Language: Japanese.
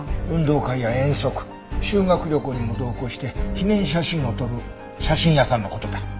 運動会や遠足修学旅行にも同行して記念写真を撮る写真屋さんの事だ。